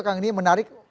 karena ini menarik